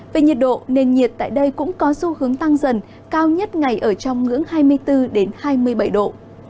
về nhiệt độ nền nhiệt tại đây cũng có xu hướng tăng dần cao nhất ngày ở trong ngưỡng hai mươi bốn hai mươi bảy độ